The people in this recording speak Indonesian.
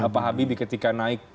pak habibie ketika naik